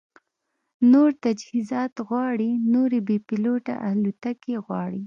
نور تجهیزات غواړي، نورې بې پیلوټه الوتکې غواړي